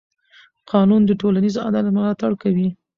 قانون د ټولنیز عدالت ملاتړ کوي.